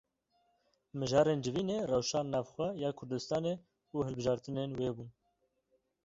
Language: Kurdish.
Mijarên civînê rewşa navxwe ya Kurdistanê û hilbijartinên wê bûn.